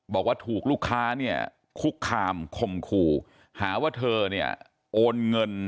บอกว่าถูกลูกค้าเนี่ยคุกคามข่มขู่หาว่าเธอเนี่ยโอนเงิน